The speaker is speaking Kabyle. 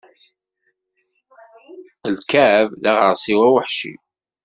Ikεeb d aɣersiw aweḥci.